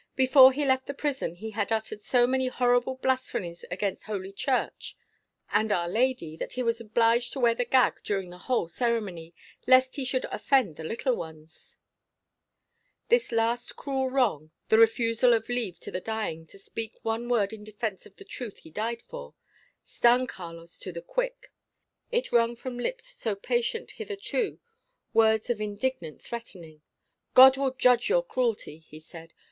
"Before he left the prison he had uttered so many horrible blasphemies against Holy Church and Our Lady that he was obliged to wear the gag during the whole ceremony, 'lest he should offend the little ones.'"[#] [#] A genuine Inquisitorial expression. This last cruel wrong the refusal of leave to the dying to speak one word in defence of the truths he died for stung Carlos to the quick. It wrung from lips so patient hitherto words of indignant threatening. "God will judge your cruelty," he said.